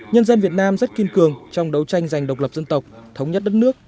nhân dân việt nam rất kiên cường trong đấu tranh giành độc lập dân tộc thống nhất đất nước